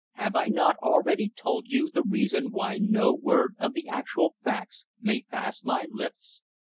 "Have I not already told you the reason why no word of the actual facts may pass my lips?"